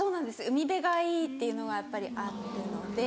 海辺がいいっていうのがやっぱりあるので。